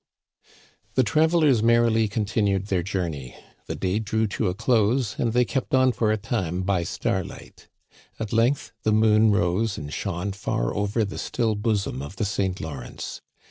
The travelers merrily continued their journey. The day drew to a close, and they kept on for a time by star light. At length the moon rose and shone far over the still bosom of the Saint Lawrence.